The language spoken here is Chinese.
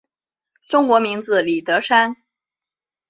中国名字李德山。